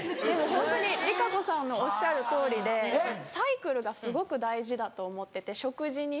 ホントにＲＩＫＡＣＯさんのおっしゃるとおりでサイクルがすごく大事だと思ってて食事にしても。